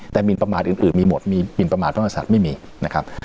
แต่มีประมาทอื่นมีหมดมีประมาทน้อยสัตว์ไม่มีนะครับ